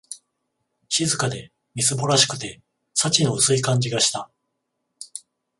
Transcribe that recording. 静かで、みすぼらしくて、幸の薄い感じがした